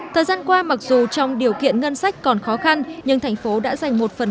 thời gian qua mặc dù trong điều kiện ngân sách còn khó khăn nhưng thành phố đã dành một phần